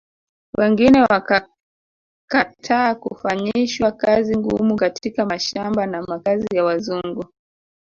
Wengine wakakataa kufanyishwa kazi ngumu katika mashamba na makazi ya Wazungu